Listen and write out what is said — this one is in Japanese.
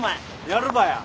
やるかや？